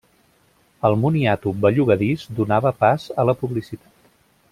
El moniato bellugadís donava pas a la publicitat.